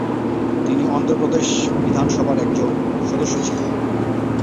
তিনি অন্ধ্র প্রদেশ বিধানসভার একজন সদস্য ছিলেন।